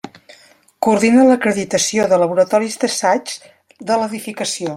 Coordina l'acreditació de laboratoris d'assaigs de l'edificació.